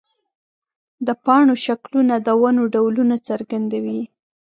د پاڼو شکلونه د ونو ډولونه څرګندوي.